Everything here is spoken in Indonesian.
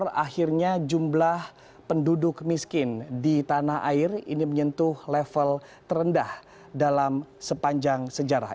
terakhir akhirnya jumlah penduduk miskin di tanah air ini menyentuh level terendah dalam sepanjang sejarah